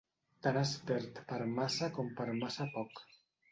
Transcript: Tant es perd per massa com per massa poc.